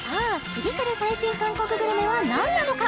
次くる最新韓国グルメは何なのか？